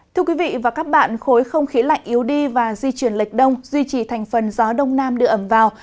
thưa quý vị và các bạn khối không khí lạnh yếu đi và di chuyển lệch đông duy trì thành phần gió đông nam đưa ẩm vào